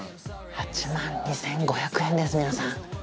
８万２５００円です皆さん。